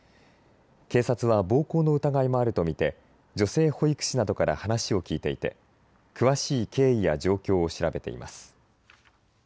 警察は暴行の疑いもあると見て女性保育士などから話を聞いていて詳しい経緯や状況を調べています。